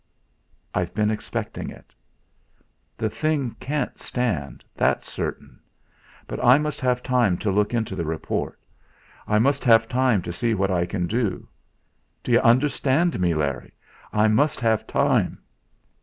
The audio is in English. "I've been expecting it." "The thing can't stand that's certain. But I must have time to look into the report. I must have time to see what I can do. D'you understand me, Larry I must have time."